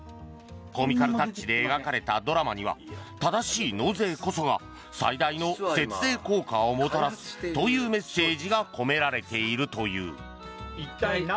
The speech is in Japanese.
コミカルタッチで描かれたドラマには正しい納税こそが最大の節税効果をもたらすというメッセージが込められているという。